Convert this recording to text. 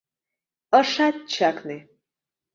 Ышат чакне.